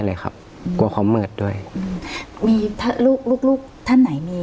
เลยครับกลัวขอเหมือนด้วยมีถ้าลูกลูกลูกท่านไหนมี